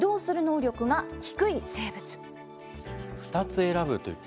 オ、２つ選ぶという。